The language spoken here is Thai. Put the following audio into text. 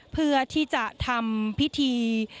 เพื่อที่จะทำพิธี